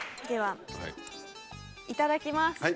ではいただきます。